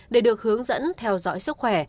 để được hướng dẫn theo dõi sức khỏe